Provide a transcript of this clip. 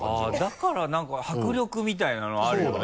だからなんか迫力みたいなのあるよね。